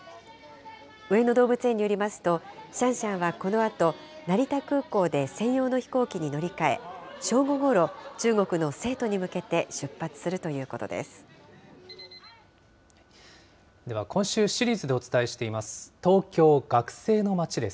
上野動物園によりますと、シャンシャンはこのあと成田空港で専用の飛行機に乗り換え、正午ごろ、中国の成都に向けて出発するといでは、今週シリーズでお伝えしています、東京・学生の街です。